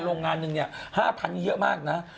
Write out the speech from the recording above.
โรงงานนึง๕๐๐๐บาทเยอะมากนะ